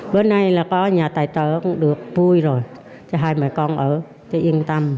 bữa nay là có nhà tài tờ cũng được vui rồi cho hai mẹ con ở thì yên tâm